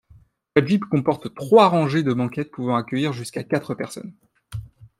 La jeep comporte trois rangées de banquettes pouvant accueillir jusqu'à quatre personnes.